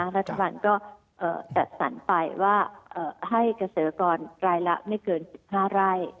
รัฐบาลก็จัดสรรไปว่าให้เกษตรกรรายละไม่เกิน๑๕ไร่